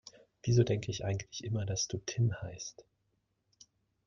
Wieso denke ich eigentlich immer, dass du Tim heißt?